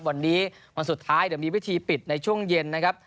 วันนี้วันสุดท้ายเดี๋ยวมีวิธีปิดในช่วงเย็นนะครับ